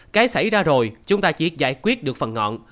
cái xảy ra rồi chúng ta chỉ giải quyết được phần ngọn